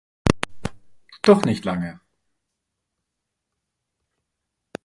Doch nicht lange.